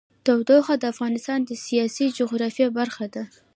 تودوخه د افغانستان د سیاسي جغرافیه برخه ده.